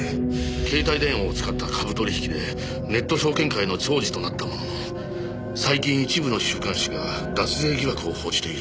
携帯電話を使った株取引でネット証券界の寵児となったものの最近一部の週刊誌が脱税疑惑を報じている。